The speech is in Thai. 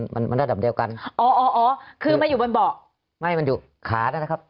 มันมันระดับเดียวกันอ๋ออ๋ออ๋อคือมันอยู่บนเบาะไม่มันอยู่ขานะครับ